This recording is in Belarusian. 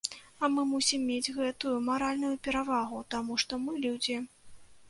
А мы мусім мець гэтую маральную перавагу, таму што мы людзі.